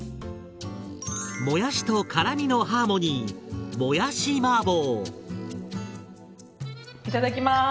もやしと辛みのハーモニーいただきます！